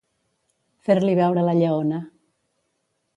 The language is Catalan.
Fer-li veure la lleona.